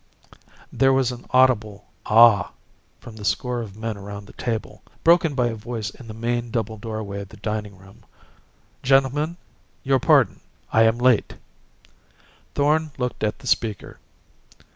There was an audible "Ah!" from the score of men around the table broken by a voice in the main double doorway of the dining room: "Gentlemen, your pardon, I am late." Thorn looked at the speaker.